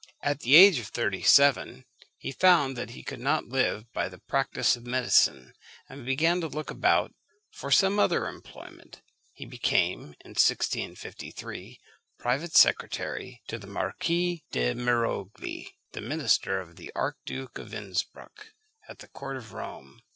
At the age of thirty seven he found that he could not live by the practice of medicine, and began to look about for some other employment. He became, in 1653, private secretary to the Marquis di Mirogli, the minister of the Archduke of Innsprück at the court of Rome.